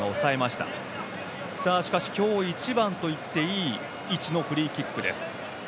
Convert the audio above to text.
しかし、今日一番といっていい位置のフリーキックです。